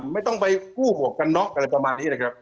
ไม่ต้องไปกู้หมวกกันน็อกอะไรประมาณนี้นะครับ